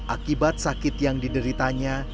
akibat sakit yang dideritanya